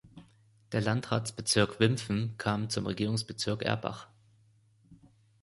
Der Landratsbezirk Wimpfen kam zum Regierungsbezirk Erbach.